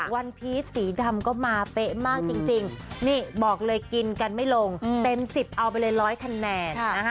พีชสีดำก็มาเป๊ะมากจริงนี่บอกเลยกินกันไม่ลงเต็ม๑๐เอาไปเลย๑๐๐คะแนนนะคะ